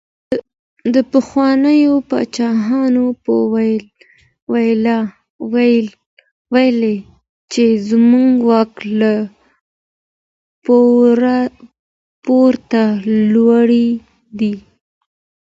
پخوانيو پادشاهانو به ويل چي زموږ واک له پورته لوري دی.